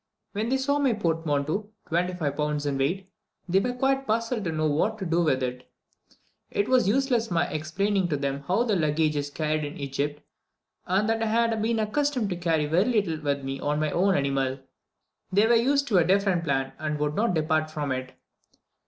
When they saw my portmanteau (twenty five pounds in weight), they were quite puzzled to know what to do with it. It was useless my explaining to them how the luggage is carried in Egypt, and that I had been accustomed to carry very little with me on my own animal: they were used to a different plan, and would not depart from it.